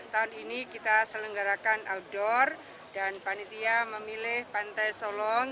tahun ini kita selenggarakan outdoor dan panitia memilih pantai solong